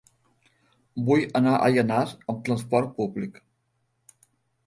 Vull anar a Llanars amb trasport públic.